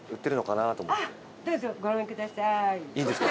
いいんですか？